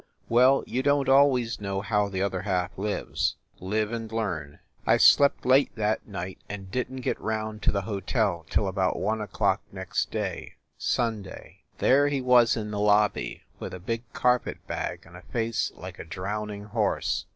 Well, you don t always know how the other half lives! Live and learn! I slept late that night and .didn t get round to the hotel till about one o clock next day Sunday. There he was in the lobby, with a big carpet bag and a face like a drowning horse.